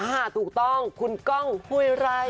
อ้าถูกต้องคุณก้องกลัวอยู่ไหน